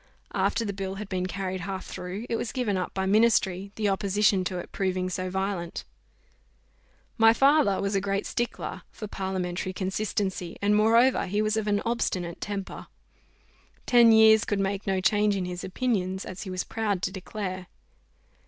After the bill had been carried half through, it was given up by ministry, the opposition to it proving so violent. My father was a great stickler for parliamentary consistency, and moreover he was of an obstinate temper. Ten years could make no change in his opinions, as he was proud to declare.